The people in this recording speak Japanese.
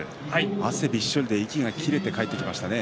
汗びっしょりで息が切れて帰ってきました。